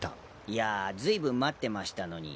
いやずいぶん待ってましたのに。